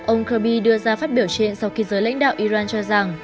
ông kirby đưa ra phát biểu trên sau khi giới lãnh đạo iran cho rằng